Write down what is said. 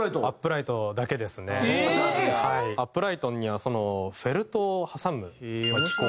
アップライトにはフェルトを挟む機構。